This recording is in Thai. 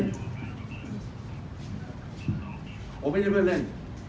ผมไม่ใช่เพื่อนเล่น